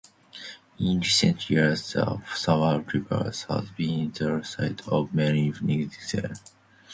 In recent years, the Suwannee River has been the site of many music gatherings.